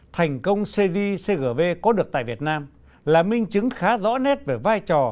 thành công cgcgv có được tại việt nam là minh chứng khá rõ nét về vai trò